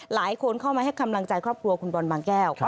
หลายคนเข้ามาให้กำลังใจครอบครัวคุณบอลบางแก้ว